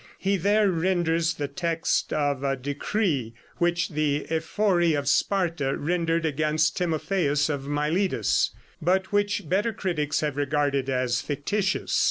He there renders the text of a decree which the Ephori of Sparta rendered against Timotheus of Miletus, but which better critics have regarded as fictitious.